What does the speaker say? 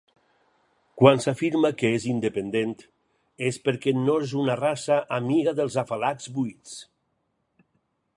Quan s'afirma que és independent és perquè no és una raça amiga dels afalacs buits.